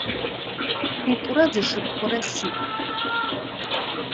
Шитӏурэ зы шыпхъурэ сиӏ.